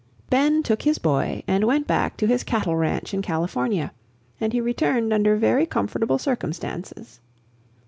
XV Ben took his boy and went back to his cattle ranch in California, and he returned under very comfortable circumstances.